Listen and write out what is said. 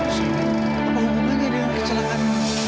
apa hubungannya dengan kecelakaan